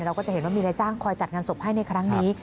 เราก็จะเห็นว่ามีนายจ้างคอยจัดงานศพให้ในครั้งนี้